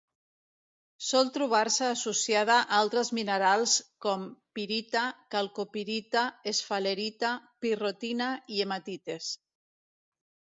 Sol trobar-se associada a altres minerals com: pirita, calcopirita, esfalerita, pirrotina i hematites.